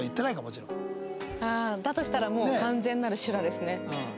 ああだとしたらもう完全なる修羅ですね。